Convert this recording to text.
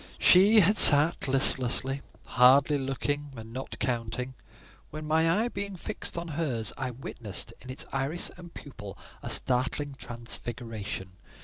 She had sat listlessly, hardly looking, and not counting, when—my eye being fixed on hers—I witnessed in its iris and pupil a startling transfiguration.